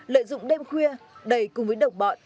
lợi dụng đêm khuya đầy cùng với độc bọn